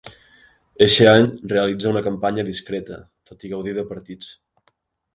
Eixe any realitza una campanya discreta, tot i gaudir de partits.